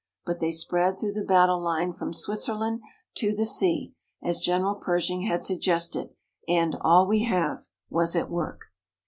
But they spread through the battle line from Switzerland to the sea, as General Pershing had suggested, and "all we have" was at work.